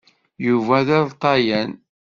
Yuba d aṛṭayan.